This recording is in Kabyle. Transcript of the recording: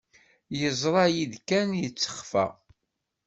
Yeẓra-yi-d kan, yettexfa.